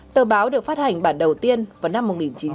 tờ báo được phát hành bản đầu tiên vào năm một nghìn chín trăm chín mươi bốn